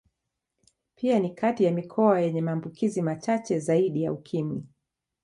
Pia ni kati ya mikoa yenye maambukizi machache zaidi ya Ukimwi.